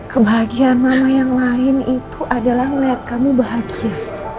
kebahagiaan mama yang lain itu adalah melihat kamu bahagia